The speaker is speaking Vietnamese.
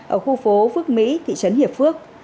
ở khu phố phước mỹ thị trấn hiệp phước